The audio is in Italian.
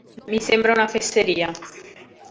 Mi sembra una fesseria.